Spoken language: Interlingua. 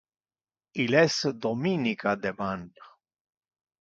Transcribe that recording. Il es dominica deman.